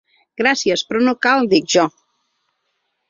Gràcies, però no cal, dic jo.